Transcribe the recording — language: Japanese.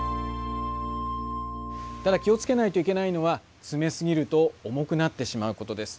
ただ気を付けないといけないのは詰め過ぎると重くなってしまうことです。